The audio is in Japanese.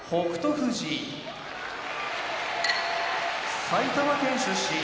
富士埼玉県出身